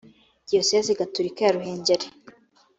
diyosezi gatolika ya ruhengeri